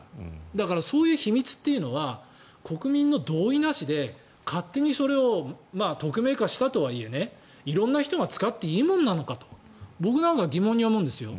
だから、そういう秘密というのは国民の同意なしで勝手にそれを匿名化したとはいえ色んな人が使っていいものなのかと僕なんかは疑問に思うんですよ。